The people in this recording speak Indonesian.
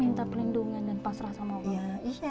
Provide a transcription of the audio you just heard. minta pelindungan dan pasrah sama allah